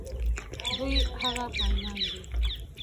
دوی هغه خاینان دي.